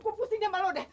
gue pusing sama lu deh